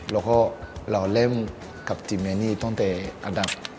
เราก็เริ่มกับทีมอันนี้ตั้งแต่อัดดับ